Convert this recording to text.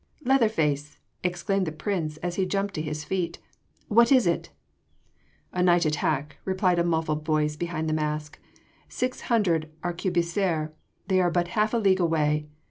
"Leatherface!" exclaimed the Prince as he jumped to his feet. "What is it?" "A night attack," replied a muffled voice behind the mask. "Six hundred arquebusiers they are but half a league away!